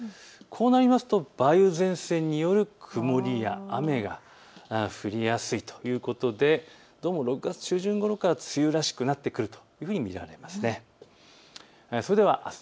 こうなりますと梅雨前線による曇りや雨が降りやすいということで６月中旬ごろから梅雨らしくなってくるというふうに見られています。